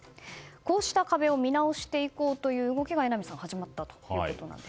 こうした壁を見直していこうという動きが榎並さん始まったということなんです。